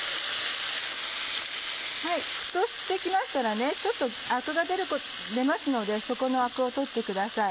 沸騰して来ましたらちょっとアクが出ますのでそこのアクを取ってください。